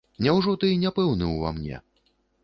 Няўжо ты не пэўны ўва мне?